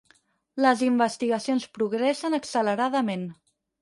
Les investigacions progressen acceleradament.